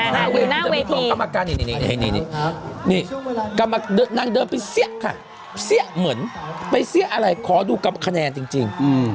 อยู่หน้าเวทีนี่นางเดินไปเสี้ยะค่ะเสี้ยะเหมือนไปเสี้ยะอะไรขอดูคะแนนจริง